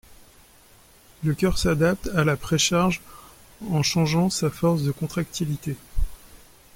Le cœur s'adapte à la précharge en changeant sa force de contractilité.